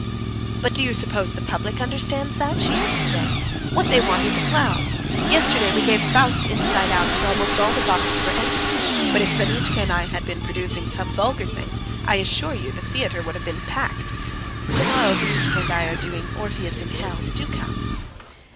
"But do you suppose the public understands that?" she used to say. "What they want is a clown. Yesterday we gave 'Faust Inside Out,' and almost all the boxes were empty; but if Vanitchka and I had been producing some vulgar thing, I assure you the theatre would have been packed. Tomorrow Vanitchka and I are doing 'Orpheus in Hell.' Do come."